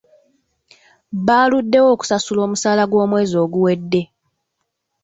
Baluddewo okusasula omusaala gw'omwezi oguwedde.